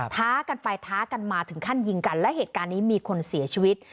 ท้ากันไปท้ากันมาถึงขั้นยิงกันและเหตุการณ์นี้มีคนเสียชีวิต